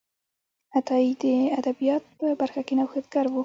عطایي د ادب په برخه کې نوښتګر و.